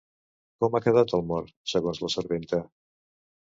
Com ha quedat el mort, segons la serventa?